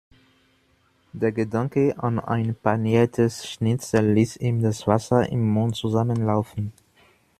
Der Gedanke an ein paniertes Schnitzel ließ ihm das Wasser im Mund zusammenlaufen.